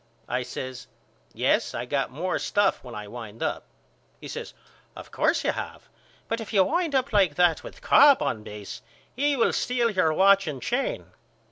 I says Yes I got more stuff when I wind up. He says Of course you have but if you wind up like that with Cobb on base he will steal your watch and chain.